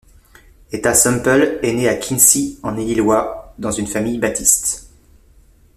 Etta Semple est née à Quincy en Illinois dans une famille baptiste.